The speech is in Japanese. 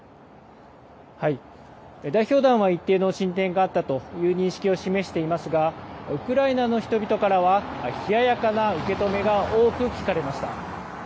代表団は一定の進展があったという認識を示していますが、ウクライナの人々からは冷ややかな受け止めが多く聞かれました。